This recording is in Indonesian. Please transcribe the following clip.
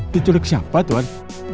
diculik siapa tuhan